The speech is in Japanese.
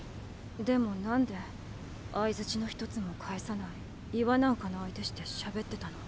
でも何で相槌の一つも返さない岩なんかの相手して喋ってたの？